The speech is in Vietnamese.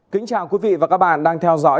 kính chào quý vị và các bạn đang theo dõi